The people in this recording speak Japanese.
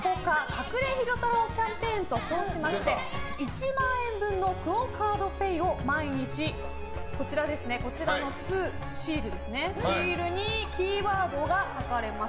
隠れ昼太郎キャンペーンと称し１万円分のＱＵＯカードＰａｙを毎日、こちらのシールにキーワードが書かれます。